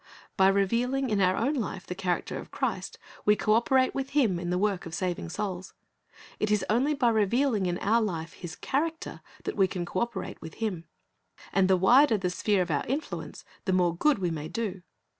By revealing in our own life the character of Christ we co operate with Him in the work of saving souls. It is only by revealing in our life His character that we can co operate wnth Him. And the wider the sphere of our influence, the more good we may do.